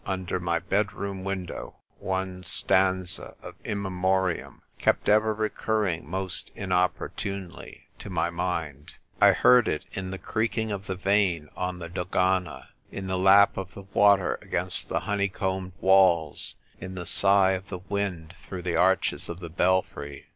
under my bed room window, one stanza of " In Memoriam " kept ever recurring most inopportunely to my mind ; I heard it in the creaking of the vane on the Dogana, in the lap of the water against the honeycombed walls, in the sigh of the wind through the arches of the belfry.